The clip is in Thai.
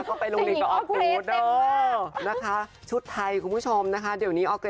รับบทคุณท่านแล้วค่ะ